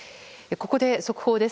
ここで速報です。